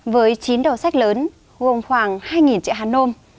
với chín đầu sách lớn gồm khoảng hai triệu hà nôm